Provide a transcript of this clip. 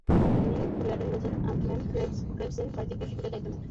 তিনি গ্ল্যাডেনবাচের আমটম্যান ক্রেবসের বাড়িতে গৃহশিক্ষকের দায়িত্ব নেন।